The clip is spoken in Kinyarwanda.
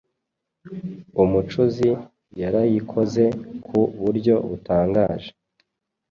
Umucuzi yarayikoze ku buryo butangaje